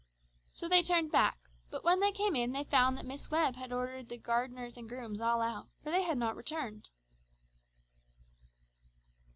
So they turned back, but when they came in they found that Miss Webb had ordered the gardeners and grooms all out, for they had not returned.